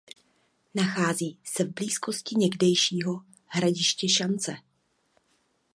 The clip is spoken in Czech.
Nachází se v blízkosti někdejšího hradiště Šance.